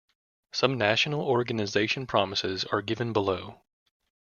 Some national organization promises are given below.